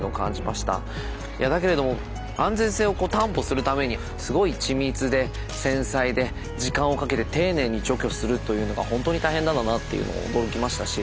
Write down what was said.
いやだけれども安全性を担保するためにすごい緻密で繊細で時間をかけて丁寧に除去するというのがほんとに大変なんだなというの驚きましたし